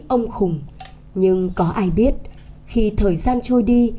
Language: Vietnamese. ông hùng nhưng có ai biết khi thời gian trôi đi